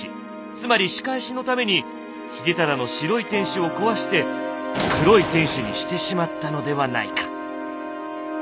つまり仕返しのために秀忠の白い天守を壊して黒い天守にしてしまったのではないか。